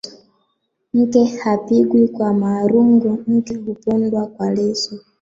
Nke hapigwi kwa marungu nke hupondwa kwa leso.